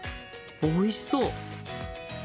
おいしそう！